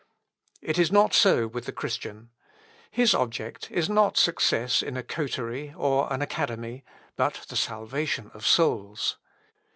It is not so with the Christian. His object is not success in a coterie, or an academy, but the salvation of souls.